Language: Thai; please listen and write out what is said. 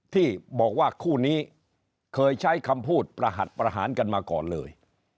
ที่บอกว่าคู่นี้เคยใช้คำพูดประหัสประหารกันมาก่อนเลย